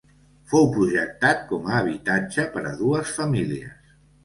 Fou projectat com a habitatge per a dues famílies.